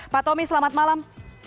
pak tommy selamat malam